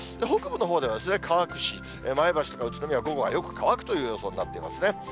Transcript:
北部のほうでは乾くし、前橋とか宇都宮では午後はよく乾くという予想になってますね。